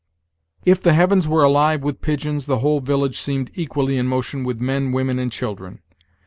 If the heavens were alive with pigeons, the whole village seemed equally in motion with men, women, and children.